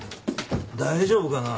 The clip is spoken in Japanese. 大丈夫かな？